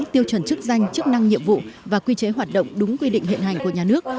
tiêu chuẩn chức danh chức năng nhiệm vụ và quy chế hoạt động đúng quy định hiện hành của nhà nước